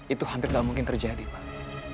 itu hampir tidak mungkin terjadi pak